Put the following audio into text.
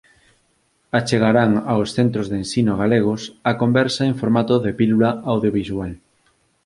Achegarán aos centros de ensino galegos a conversa en formato de pílula audiovisual.